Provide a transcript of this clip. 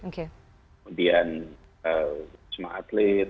kemudian semua atlet